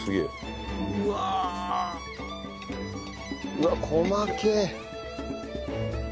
うわっ細けえ。